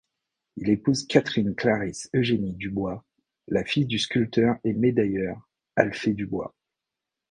Il épouse Catherine Clarisse Eugénie Dubois, la fille du sculpteur et médailleur Alphée Dubois.